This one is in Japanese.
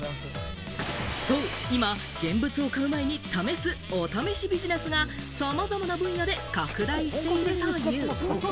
そう、今、現物を買う前に試す、お試しビジネスが様々な分野で拡大しているという。